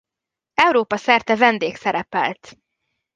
Európa-szerte vendégszerepelt.